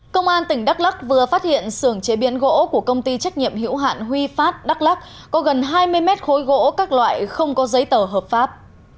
công an tỉnh đắk lắc vừa phát hiện sưởng chế biến gỗ của công ty trách nhiệm hữu hạn huy phát đắk lắc có gần hai mươi mét khối gỗ các loại không có giấy tờ hợp pháp